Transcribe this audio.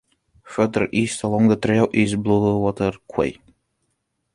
Further east along the trail is Bluewater Quay.